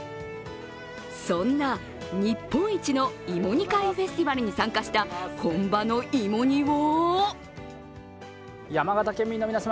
そんな日本一の芋煮会フェスティバルに参加した、本場の芋煮を山形県民の皆様